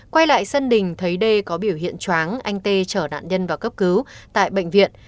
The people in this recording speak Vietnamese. quay lại sân đình thấy đê có biểu hiện chóng anh t chở đạn nhân vào cấp cứu tại bệnh viện